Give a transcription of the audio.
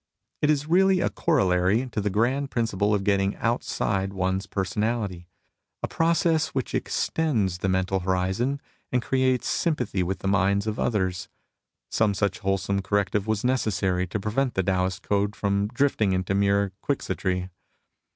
It is really a corollary to the grand principle of getting outside one's personality — a process which extends the mental horizon and creates sympathy with the SWIMMING WITH THE TIDE 23 minds of others. Some such wholesome cor rective was necessary to prevent the Taoist code from drifting into mere quixotry.